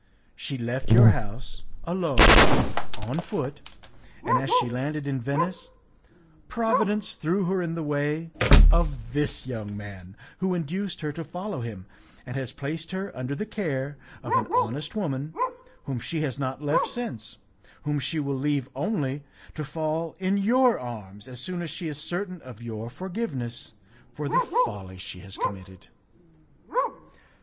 She left your house alone on foot, and as she landed in Venice Providence threw her in the way of this young man, who induced her to follow him, and has placed her under the care of an honest woman, whom she has not left since, whom she will leave only to fall in your arms as soon as she is certain of your forgiveness for the folly she has committed."